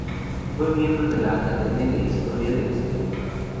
Fue miembro de la Academia de Historia de Occidente.